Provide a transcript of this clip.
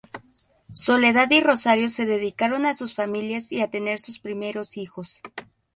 Soledad y Rosario se dedicaron a sus familias y a tener sus primeros hijos.